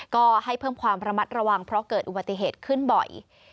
ก็ให้เพิ่มความระมัดระวังเพราะเกิดอุบัติเหตุขึ้นบ่อย